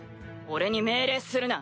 俺に命令するな。